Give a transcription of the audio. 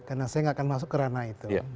karena saya gak akan masuk ke ranah itu